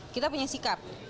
kita punya sikap